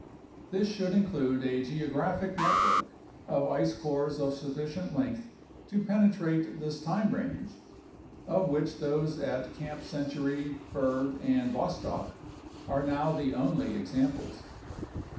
This should include a geographic network of ice cores of sufficient length to penetrate this time range, of which those at Camp Century, Byrd, and Vostok are now the only examples.